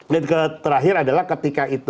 dan terakhir adalah karena kita